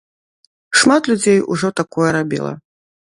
Шмат людзей ужо такое рабіла.